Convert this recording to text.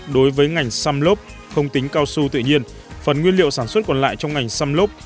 đối với ngành xăm lốp không tính cao su tự nhiên phần nguyên liệu sản xuất còn lại trong ngành xăm lốp